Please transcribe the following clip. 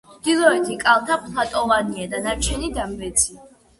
ჩრდილოეთი კალთა ფლატოვანია, დანარჩენი დამრეცი.